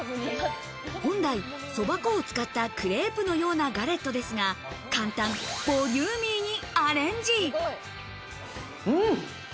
本来、そば粉を使ったクレープのようなガレットですが、簡単ボリューミーにアレンジ。